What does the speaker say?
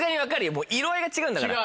もう色合いが違うんだから。